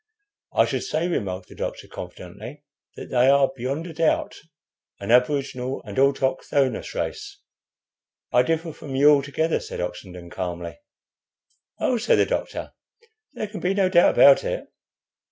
"I should say," remarked the doctor, confidently, "that they are, beyond a doubt, an aboriginal and autochthonous race." "I differ from you altogether," said Oxenden, calmly. "Oh," said the doctor, "there can be no doubt about it.